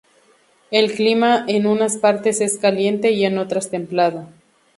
El clima en unas partes es caliente y en otras templado.